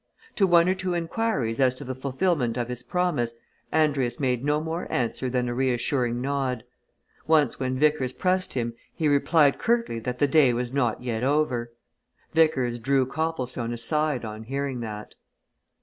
To one or two inquiries as to the fulfilment of his promise Andrius made no more answer than a reassuring nod; once when Vickers pressed him, he replied curtly that the day was not yet over. Vickers drew Copplestone aside on hearing that.